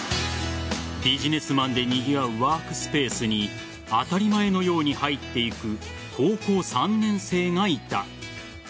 ビジネスマンでにぎわうワークスペースに当たり前のように入っていく高校３年生がいた。